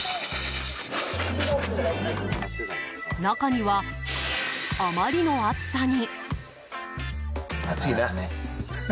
中には、あまりの暑さに。